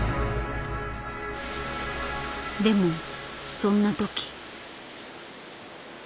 でもそんな時。